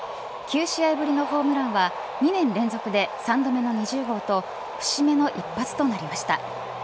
９試合ぶりのホームランは２年連続で３度目の２０号と節目の一発となりました。